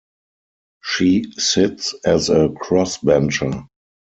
She sits as a Crossbencher.